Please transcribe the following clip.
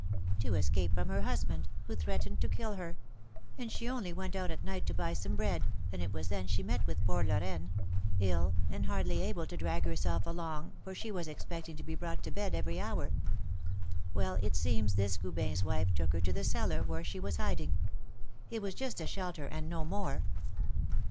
"To escape from her husband, who threatened to kill her; and she only went out at night to buy some bread, and it was then she met with the poor Lorraine, ill, and hardly able to drag herself along, for she was expecting to be brought to bed every hour. Well, it seems this Goubin's wife took her to the cellar where she was hiding, it was just a shelter, and no more.